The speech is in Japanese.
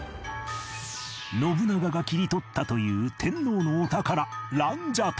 信長が切り取ったという天皇のお宝蘭奢待